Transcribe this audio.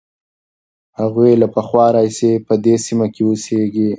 هغوی له پخوا راهیسې په دې سیمه کې اوسېږي.